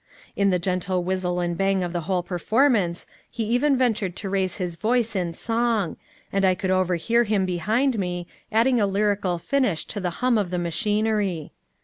In the gentle whizzle and bang of the whole performance he even ventured to raise his voice in song, and I could overhear him behind me, adding a lyrical finish to the hum of the machinery.